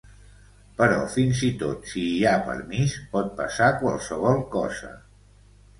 Però fins i tot si hi ha permís, pot passar qualsevol cosa.